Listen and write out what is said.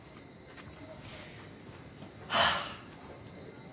はあ。